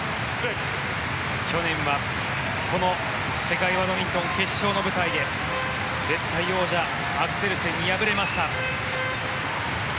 去年はこの世界バドミントン決勝の舞台で絶対王者アクセルセンに敗れました。